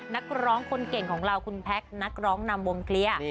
นักร้องคนเก่งของเราคุณแพ็คนักร้องนำวงเคลียร์